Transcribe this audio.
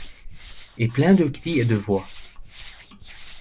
Est plein de cris et de voix